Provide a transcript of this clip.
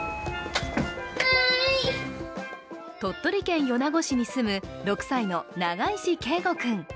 鳥取県米子市に住む６歳の永石恵梧君。